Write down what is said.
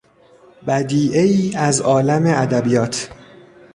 بدیعهای از عالم ادبیات